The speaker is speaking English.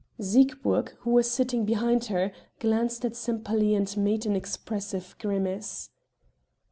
Siegburg, who was sitting behind her, glanced at Sempaly and made an expressive grimace.